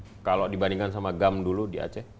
itu sudah lama dulu di aceh